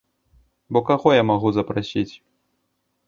Бо каго я магу запрасіць?